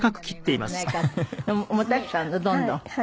どんどん。